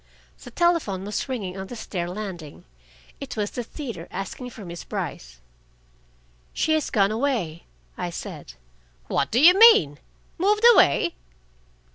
The telephone was ringing on the stair landing. It was the theater, asking for Miss Brice. "She has gone away," I said. "What do you mean? Moved away?"